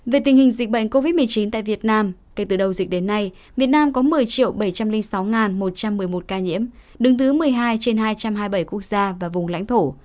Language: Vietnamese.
về tình hình dịch bệnh covid một mươi chín tại việt nam kể từ đầu dịch đến nay việt nam có một mươi bảy trăm linh sáu một trăm một mươi một ca nhiễm đứng thứ một mươi hai trên hai trăm hai mươi bảy quốc gia và vùng lãnh thổ